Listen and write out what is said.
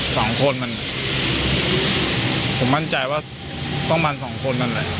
สองคนมันผมมั่นใจว่าต้องมันสองคนนั่นแหละ